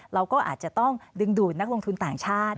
เราก็อาจจะต้องดึงดูดนักลงทุนต่างชาติ